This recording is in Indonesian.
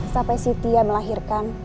sampai siti melahirkan